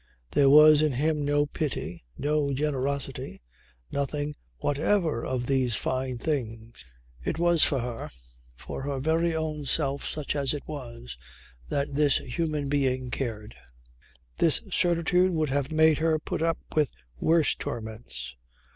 There was in him no pity, no generosity, nothing whatever of these fine things it was for her, for her very own self such as it was, that this human being cared. This certitude would have made her put up with worse torments.